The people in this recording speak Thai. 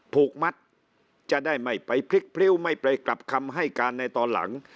ผูกมัดจะได้ไม่ไปพลิกพริ้วไม่ไปกลับคำให้การในตอนหลัง